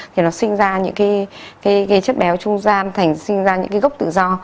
thì nó sinh ra những cái chất béo trung gian thành sinh ra những cái gốc tự do